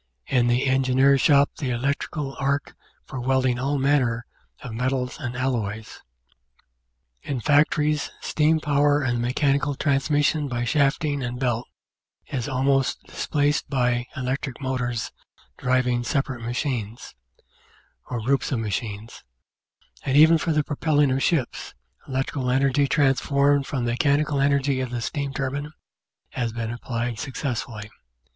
in the Engineer's shop the electric arc for welding all manner of metals and alloys. In factories steam power and the mechanical transmission by shafting and belt is almost displaced by electric motors driving separate machines, or groups of machines; and even for the propelling of ships, electric energy transformed from the mechanical energy of the steam turbine has been applied success fully.